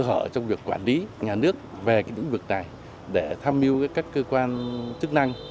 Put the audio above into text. họ trong việc quản lý nhà nước về những vực này để tham mưu các cơ quan chức năng